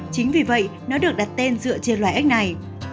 chính vì vậy nó được đặt tên dựa trên loài ếch này